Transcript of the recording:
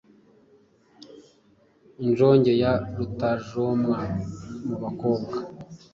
Injoge ya Rutajomwa mu Bakobwa”